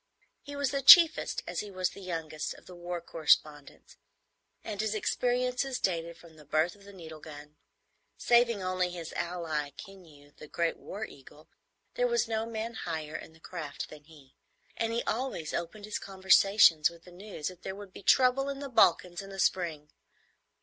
He was the chiefest, as he was the youngest, of the war correspondents, and his experiences dated from the birth of the needle gun. Saving only his ally, Keneu the Great War Eagle, there was no man higher in the craft than he, and he always opened his conversation with the news that there would be trouble in the Balkans in the spring.